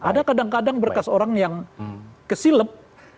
ada kadang kadang berkas orang yang kesilep